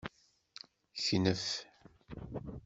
Knef.